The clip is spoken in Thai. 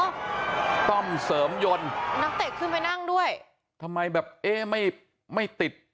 ต้อมเสริมยนต์นักเตะขึ้นไปนั่งด้วยทำไมแบบเอ๊ะไม่ไม่ติด